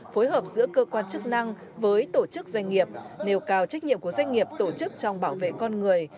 phối hợp giữa cơ quan chức năng với tổ chức doanh nghiệp nêu cao trách nhiệm của doanh nghiệp tổ chức trong bảo vệ con người